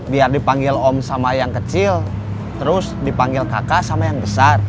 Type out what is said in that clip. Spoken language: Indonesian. biar dipanggil om sama yang kecil terus dipanggil kakak sama yang besar